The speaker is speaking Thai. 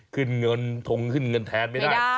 ขึ้นเงินทงขึ้นเงินแทนไม่ได้